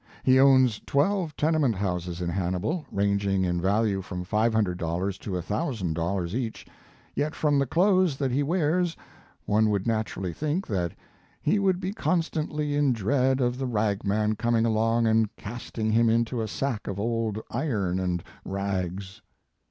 He owns twelve tenement houses in Hannibal, ranging in value from $500 to $ 1,000 each yet from the clothes that he wears one would naturally think that he would be constantly in dread of the ragman coming along and casting him into a sack of old iron and rags.